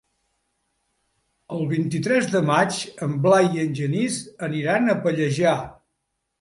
El vint-i-tres de maig en Blai i en Genís aniran a Pallejà.